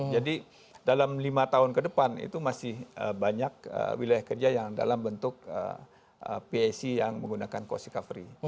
jadi dalam lima tahun ke depan itu masih banyak wilayah kerja yang dalam bentuk psg yang menggunakan cost recovery